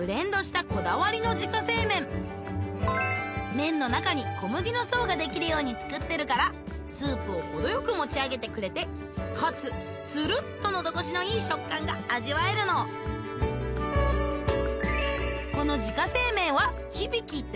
麺の中に小麦の層ができるように作ってるからスープを程よく持ち上げてくれてかつツルっと喉越しのいい食感が味わえるのチャーシューが３種類のって。